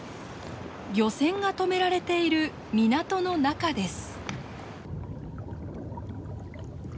漁船がとめられている港の中です。